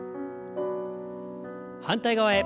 反対側へ。